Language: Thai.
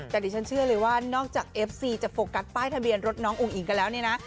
แต่ดิฉันเชื่อเลยว่านอกจากเอฟซีจะโฟกัสป้ายทะเบียนรถน้องอุ้งอิงกันแล้วเนี่ยนะ